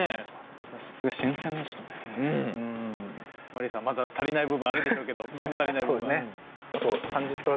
マリイさんまだ足りない部分あるでしょうけど物足りない部分。